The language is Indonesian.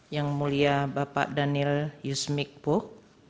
yang mulia bapak daniel yusmik puk